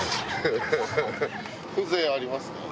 風情ありますね。